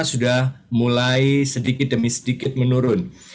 sudah mulai sedikit demi sedikit menurun